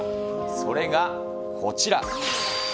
それがこちら。